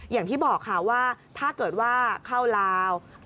อย่างที่บอกค่ะว่าถ้าเกิดว่าเข้าลาว